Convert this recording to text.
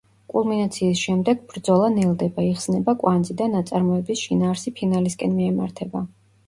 კულმინაციის შემდეგ ბრძოლა ნელდება, იხსნება კვანძი და ნაწარმოების შინაარსი ფინალისკენ მიემართება.